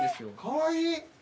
かわいい！